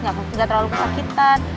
gak terlalu kesakitan